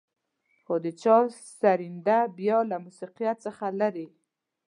خو د چا سرېنده بيا له موسيقيت څخه لېرې.